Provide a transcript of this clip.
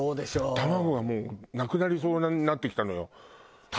卵がもうなくなりそうになってきたのよ。